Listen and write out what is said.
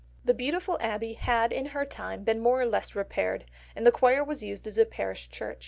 The beautiful abbey had in her time been more or less repaired, and the choir was used as a parish church.